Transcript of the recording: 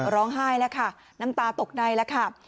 ร้องไห้แล้วค่ะน้ำตาตกในแล้วค่ะ